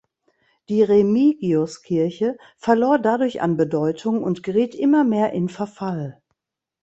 Die Remigiuskirche verlor dadurch an Bedeutung und geriet immer mehr in Verfall.